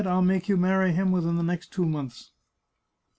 I'll make you marry him within the next two months."